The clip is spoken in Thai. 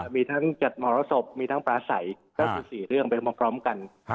มีทั้งจัดมรสบมีทั้งปลาใสก็คือ๔เรื่องไปพร้อมกัน